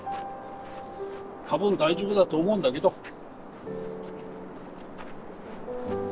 多分大丈夫だと思うんだけど。